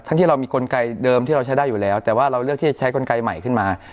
ที่เรามีกลไกเดิมที่เราใช้ได้อยู่แล้วแต่ว่าเราเลือกที่จะใช้กลไกใหม่ขึ้นมา